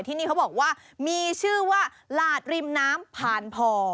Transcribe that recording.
ที่นี่เขาบอกว่ามีชื่อว่าหลาดริมน้ำผ่านพอ